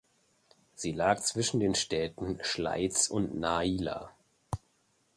Sie lag zwischen den Städten Schleiz und Naila.